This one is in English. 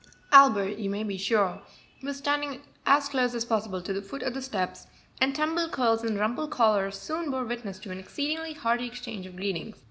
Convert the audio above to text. Albert, you may be sure, was standing as close as possible to the foot of the steps, and tumbled curls and rumpled collar soon bore witness to an exceedingly hearty exchange of greetings.